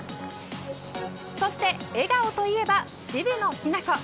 そして、笑顔といえば渋野日向子。